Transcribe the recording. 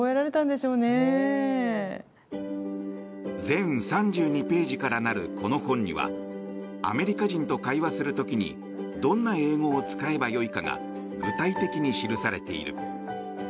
全３２ページからなるこの本にはアメリカ人と会話する時にどんな英語を使えば良いかが具体的に記されている。